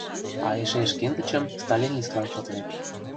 — А эше шкендычым сталинистлан шотлет...